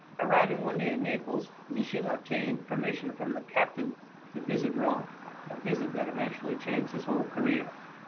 Arriving one day at Naples, Misson obtained permission from the captain to visit Rome, a visit that eventually changed his whole career.